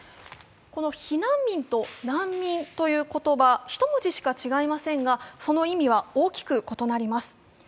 この避難民と難民という言葉、一文字しか違いませんがその意味は大きく異なります。